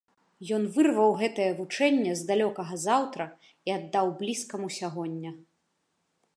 Ён вырваў гэтае вучэнне з далёкага заўтра і аддаў блізкаму сягоння.